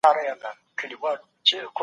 ولي ځيني هیوادونه سفارت نه مني؟